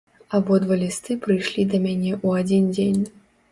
Абодва лісты прыйшлі да мяне ў адзін дзень.